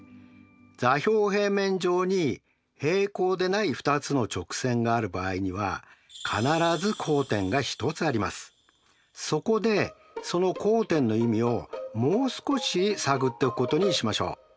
座標平面上に平行でない２つの直線がある場合にはそこでその交点の意味をもう少し探っておくことにしましょう。